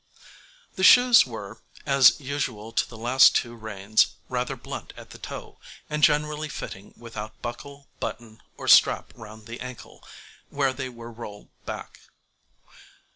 The shoes were, as usual to the last two reigns, rather blunt at the toe, and generally fitting without buckle, button, or strap round the ankle, where they were rolled back.